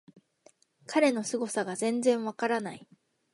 彼のすごさが全然わからない